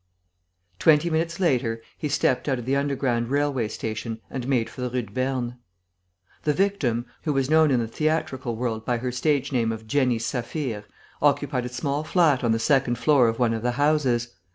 Twenty minutes later he stepped out of the underground railway station and made for the Rue de Berne. The victim, who was known in the theatrical world by her stage name of Jenny Saphir, occupied a small flat on the second floor of one of the houses.